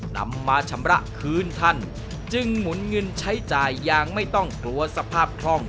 นำมาชำระคืนท่านจึงหมุนเงินใช้จ่ายอย่างไม่ต้องกลัวสภาพคล่อง